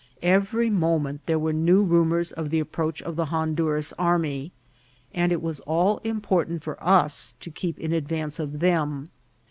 Every mo ment there were new rumours of the approach of the Honduras army, and it was all important for us to keep in advance of them.